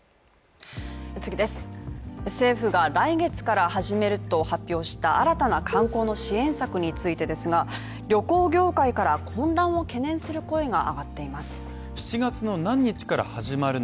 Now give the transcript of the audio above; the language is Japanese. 政府が来月から始めると発表した新たな観光の支援策についてですが、旅行業界から混乱を懸念する声が上がっています。